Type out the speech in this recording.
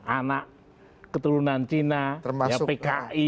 anak keturunan cina pki